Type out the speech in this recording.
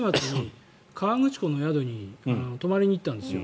先週末に河口湖の宿に泊まりに行ったんですよ。